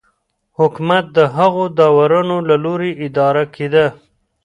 حکومت د هغو داورانو له لوري اداره کېده